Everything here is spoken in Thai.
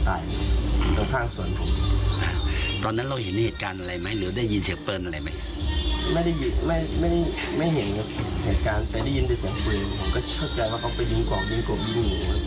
ผมก็เชื่อใจว่าเขาไปยิงกว่ายิงกว่าบินหู